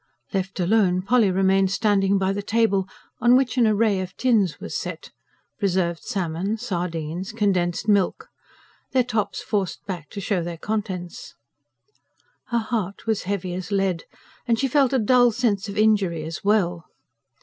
Left alone Polly remained standing by the table, on which an array of tins was set preserved salmon, sardines, condensed milk their tops forced back to show their contents. Her heart was heavy as lead, and she felt a dull sense of injury as well.